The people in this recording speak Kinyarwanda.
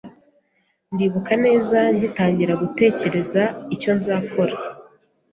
Ndibuka neza ngitangira gutekereza icyo nzakora,